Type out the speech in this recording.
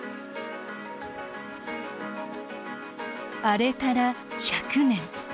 あれから、１００年。